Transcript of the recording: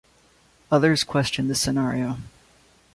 Others question this scenario.